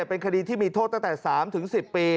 เป็นคดีที่มีโทษตั้งแต่๓๑๐ปี